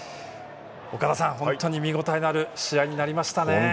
岡田さん、本当に見応えのある試合になりましたね。